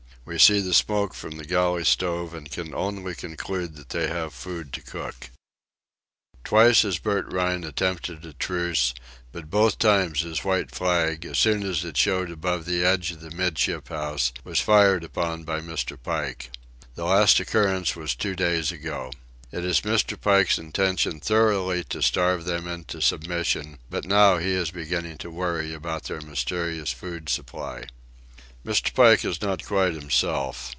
We see the smoke from the galley stove and can only conclude that they have food to cook. Twice has Bert Rhine attempted a truce, but both times his white flag, as soon as it showed above the edge of the 'midship house, was fired upon by Mr. Pike. The last occurrence was two days ago. It is Mr. Pike's intention thoroughly to starve them into submission, but now he is beginning to worry about their mysterious food supply. Mr. Pike is not quite himself.